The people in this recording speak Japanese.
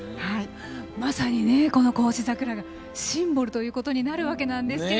まさに、孝子桜がシンボルということになるわけなんですが。